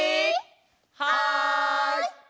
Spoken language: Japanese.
はい！